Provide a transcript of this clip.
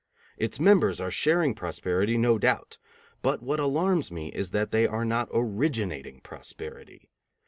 Its members are sharing prosperity, no doubt; but what alarms me is that they are not originating prosperity.